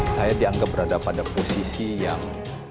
jangan lupa berada pada posisi yang